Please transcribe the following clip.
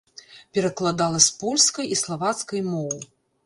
Перакладала з польскай і славацкай моў.